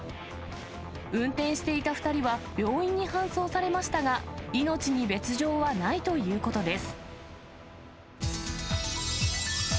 運転していた２人は病院に搬送されましたが、命に別状はないということです。